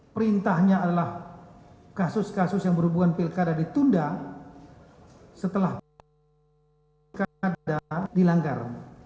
perintahnya adalah kasus kasus yang berhubungan pilkada ditunda setelah pilkada dilanggar